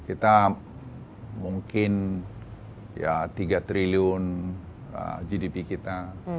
kita mungkin ya tiga triliun gdp kita